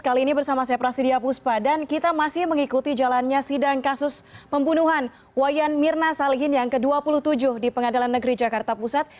kali ini bersama saya prasidya puspa dan kita masih mengikuti jalannya sidang kasus pembunuhan wayan mirna salihin yang ke dua puluh tujuh di pengadilan negeri jakarta pusat